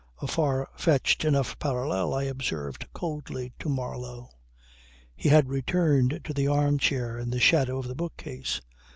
.." "A far fetched enough parallel," I observed coldly to Marlow. He had returned to the arm chair in the shadow of the bookcase.